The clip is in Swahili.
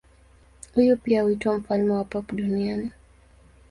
Huyu pia huitwa mfalme wa pop duniani.